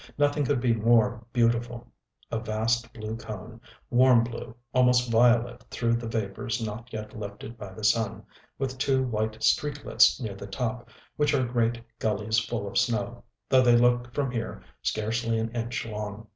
Nothing could be more beautiful. A vast blue cone, warm blue, almost violet through the vapors not yet lifted by the sun, with two white streaklets near the top which are great gullies full of snow, though they look from here scarcely an inch long.